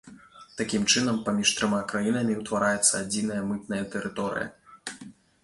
Такім чынам, паміж трыма краінамі ўтвараецца адзіная мытная тэрыторыя.